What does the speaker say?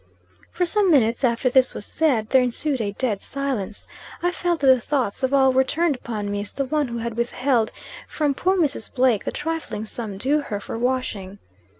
"For some minutes after this was said, there ensued a dead silence. I felt that the thoughts of all were turned upon me as the one who had withheld from poor Mrs. Blake the trifling sum due her for washing.